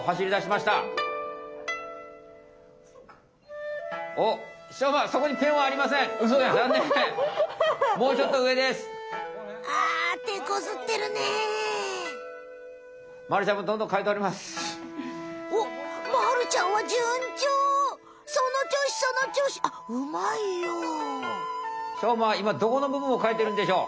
しょうまはいまどこのぶぶんを描いてるんでしょう？